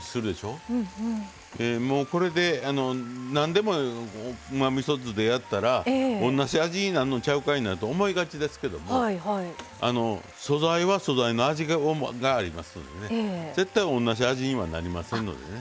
これで何でもうまみそ酢でやったら同じ味になんのちゃうかいなと思いがちですけども素材は素材の味がありますのでね絶対同じ味にはなりませんのでね。